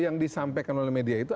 yang disampaikan oleh media itu